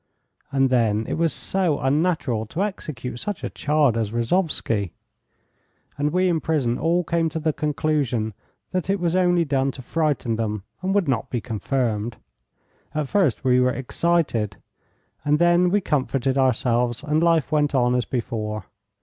And then it was so unnatural to execute such a child as Rozovsky. And we in prison all came to the conclusion that it was only done to frighten them, and would not be confirmed. At first we were excited, and then we comforted ourselves, and life went on as before.